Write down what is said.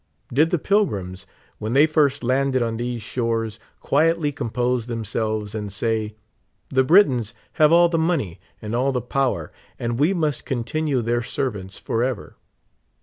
Did the"*i)ilgrims, when they first landed on these shores, quietl V compose themselves, and say :*' The Britons have all the money and all the power, and we must con tinue their servants forever?"